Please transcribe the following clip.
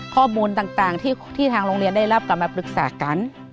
ข้อมูลต่างที่ทางโรงเรียนได้รับกลับมาปรึกษากัน